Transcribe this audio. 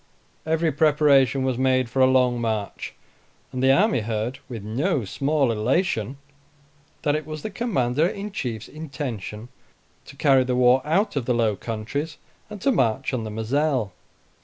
Every preparation was made for a long march; and the army heard, with no small elation, that it was the Commander in Chief's intention to carry the war out of the Low Countries, and to march on the Mozelle.